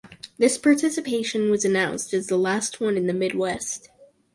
This participation was announced as the last one in the Midwest.